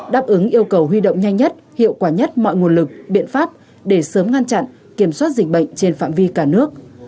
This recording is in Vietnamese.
đáp ứng yêu cầu huy động nhanh nhất hiệu quả nhất mọi nguồn lực biện pháp để sớm ngăn chặn kiểm soát dịch bệnh trên phạm vi cả nước